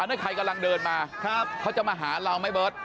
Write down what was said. นี่ใครกำลังเดินมาเขาจะมาหาเราไหมเบิร์ต